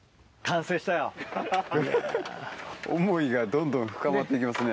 思いがどんどん深まって行きますね。